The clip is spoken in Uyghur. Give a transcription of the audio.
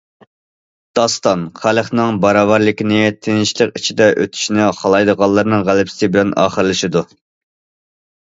داستان، خەلقنىڭ باراۋەرلىكىنى، تىنچلىق ئىچىدە ئۆتۈشىنى خالايدىغانلارنىڭ غەلىبىسى بىلەن ئاخىرلىشىدۇ.